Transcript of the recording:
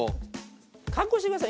覚悟してください。